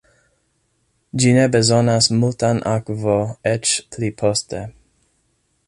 Ĝi ne bezonas multan akvo eĉ pli poste.